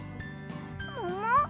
もも？